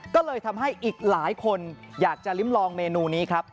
ก็เลยทำให้อีกหลายคนอยากจะลิ้มลองเมนูนี้ครับ